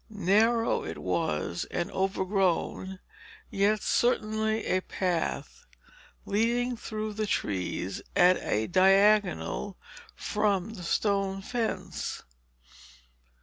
Narrow it was, and overgrown, yet certainly a path, leading through the trees at a diagonal from the stone fence.